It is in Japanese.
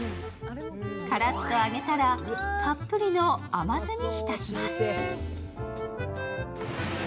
カラッと揚げたら、たっぷりの甘酢に浸します。